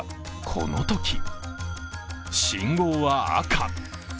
このとき信号は赤。